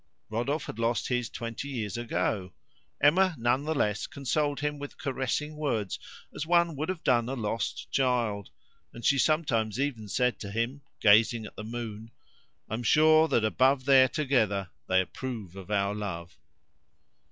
Rodolphe had lost his twenty years ago. Emma none the less consoled him with caressing words as one would have done a lost child, and she sometimes even said to him, gazing at the moon "I am sure that above there together they approve of our love."